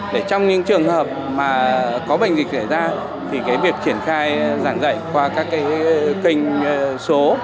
để trong những trường hợp mà có bệnh dịch xảy ra thì cái việc triển khai giảng dạy qua các kênh số